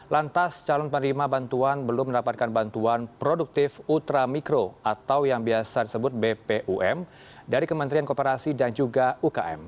lantas calon penerima bantuan belum mendapatkan bantuan produktif ultramikro atau yang biasa disebut bpum dari kementerian kooperasi dan juga ukm